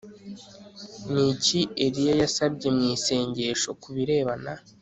ni iki eliya yasabye mu isengesho ku birebana